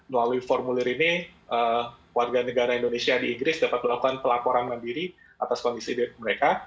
melalui formulir ini warga negara indonesia di inggris dapat melakukan pelaporan mandiri atas kondisi mereka